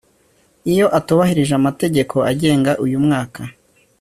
Iyo atubahirije amategeko agenga uyu mwaka